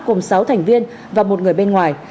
cùng sáu thành viên và một người bên ngoài